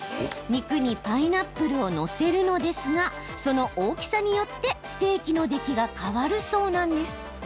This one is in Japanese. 肉にパイナップルを載せるのですがその大きさによってステーキの出来が変わるそうなんです。